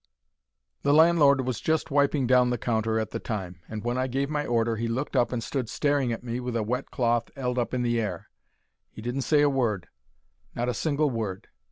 The landlord was just wiping down the counter at the time, and when I gave my order he looked up and stood staring at me with the wet cloth 'eld up in the air. He didn't say a word—not a single word.